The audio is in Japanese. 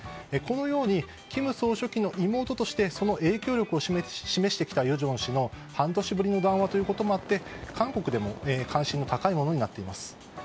このように金総書記の妹としてその影響力を示してきた与正氏の半年ぶりの談話ということで韓国でも関心の高いものになっています。